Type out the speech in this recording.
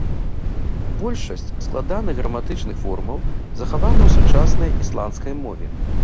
Большасць складаных граматычных формаў захавана ў сучаснай ісландскай мове.